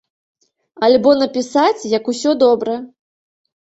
Альбо напісаць, як усё добра.